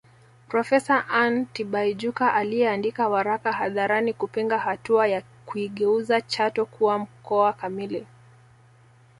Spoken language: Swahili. Profesa Anna Tibaijuka aliyeandika waraka hadharani kupinga hatua ya kuigeuza Chato kuwa mkoa kamili